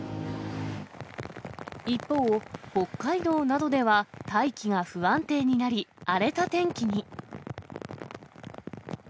一方、北海道などでは、大気が不安定になり、荒れた天気に。